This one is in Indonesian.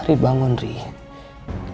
rini bangun rini